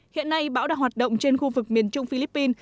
hiện nay bão đang hoạt động trên khu vực miền trung philippines